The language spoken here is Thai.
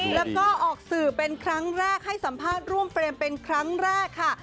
แล้วก็ออกสื่อเป็นครั้งแรกให้สัมภาษณ์ร่วมเฟรมเป็นครั้งแรกค่ะ